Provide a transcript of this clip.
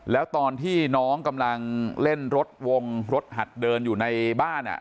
แล้วตอนที่น้องกำลังเล่นรถวงรถหัดเดินอยู่ในบ้าน